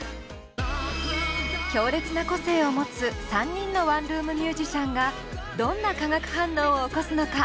強烈な個性を持つ３人のワンルームミュージシャンがどんな化学反応を起こすのか？